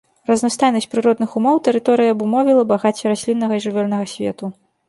Разнастайнасць прыродных умоў тэрыторыі абумовіла багацце расліннага і жывёльнага свету.